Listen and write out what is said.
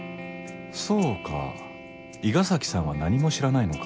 そうか伊賀崎さんは何も知らないのか